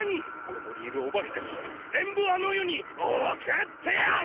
ここにいるオバケたちは全部あの世に送ってやる！